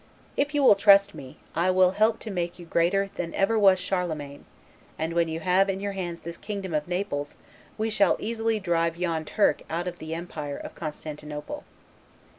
If you will trust me, I will help to make you greater than ever was Charlemagne; and when you have in your hands this kingdom of Naples, we shall easily drive yon Turk out of that empire of Constantinople."